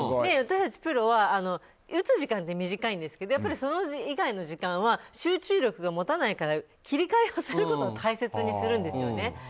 私たちプロは打つ時間って短いんですけどそれ以外の時間は集中力が持たないから切り替えをすることを大切にするんですね。